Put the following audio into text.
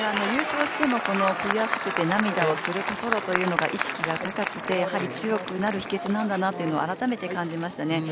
優勝しても悔しくて涙をするというところが意識が高くて強くなる秘訣なんだなと改めて感じましたね。